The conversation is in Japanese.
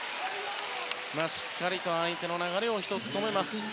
しっかりと相手の流れを１つ止めました。